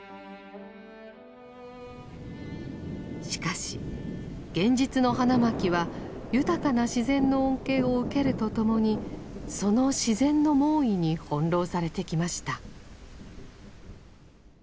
しかし現実の花巻は豊かな自然の恩恵を受けるとともにその自然の猛威に翻弄されてきました。